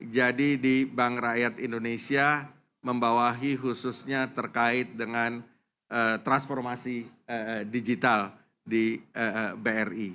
jadi di bank rakyat indonesia membawahi khususnya terkait dengan transformasi digital di bri